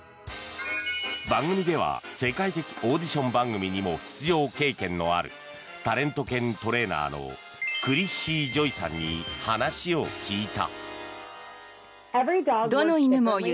番組では世界的オーディション番組にも出場経験のあるタレント犬トレーナーのクリッシー・ジョイさんに話を聞いた。